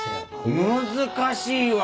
難しいわ。